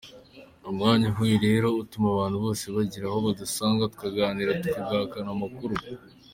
Umwanya nk’uyu rero utuma abo bose bagira aho badusanga tukaganira tugahanahana amakuru.